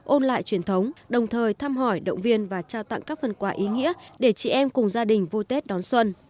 ôn lại truyền thống đồng thời thăm hỏi động viên và trao tặng các phần quả ý nghĩa để chị em cùng gia đình vui tết đón xuân